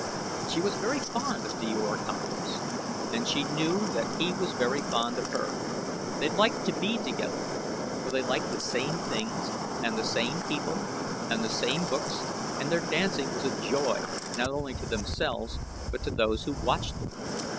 She was very fond of Djor Kantos and she knew that he was very fond of her. They liked to be together, for they liked the same things and the same people and the same books and their dancing was a joy, not only to themselves but to those who watched them.